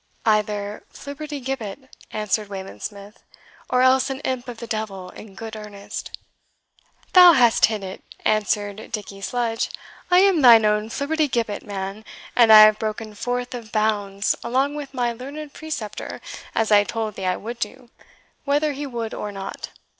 "Either Flibbertigibbet," answered Wayland Smith, "or else an imp of the devil in good earnest." "Thou hast hit it," answered Dickie Sludge. "I am thine own Flibbertigibbet, man; and I have broken forth of bounds, along with my learned preceptor, as I told thee I would do, whether he would or not.